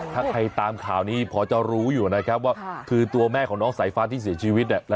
ถ้าใครตามข่าวนี้พอจะรู้อยู่นะครับว่าคือตัวแม่ของน้องสายฟ้าที่เสียชีวิตเนี่ย